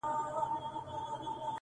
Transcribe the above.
• انسان نه یوازي خپل د ویلو مسؤل دی,